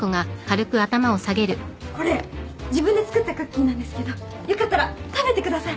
これ自分で作ったクッキーなんですけどよかったら食べてください。